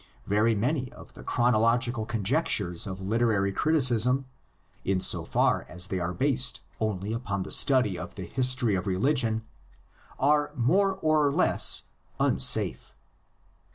Very many of the chronological conjec tures of literary criticism, in so far as they are based only upon the study of the history of religion, are more or less unsafe.